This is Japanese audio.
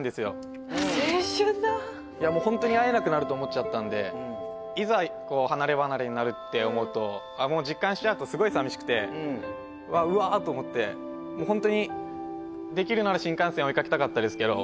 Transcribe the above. もうホントに会えなくなると思っちゃったんでいざ離れ離れになるって思うとああもう実感しちゃうとすごい寂しくて「うわ」と思ってもうホントにできるなら新幹線を追いかけるの？